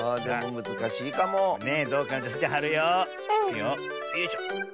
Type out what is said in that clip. よいしょ。